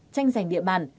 tranh giành địa bàn